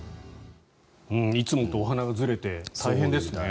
いつもとお花がずれて大変ですね。